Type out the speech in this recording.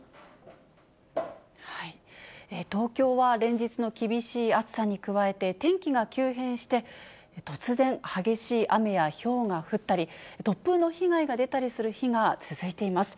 東京は連日の厳しい暑さに加えて、天気が急変して、突然、激しい雨やひょうが降ったり、突風の被害が出たりする日が続いています。